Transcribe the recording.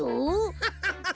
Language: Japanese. ハハハッ。